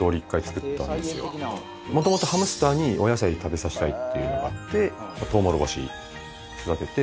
もともとハムスターにお野菜食べさせたいっていうのがあってトウモロコシ育てて。